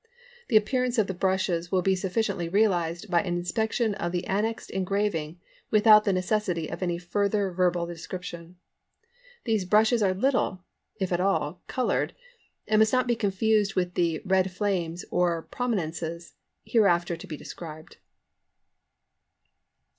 The appearance of the brushes will be sufficiently realised by an inspection of the annexed engraving without the necessity of any further verbal description. These brushes are little, if at all, coloured, and must not be confused with the "Red Flames" or "Prominences" hereafter to be described.